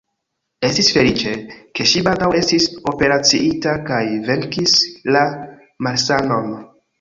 Estis feliĉe, ke ŝi baldaŭ estis operaciita kaj venkis la malsanon.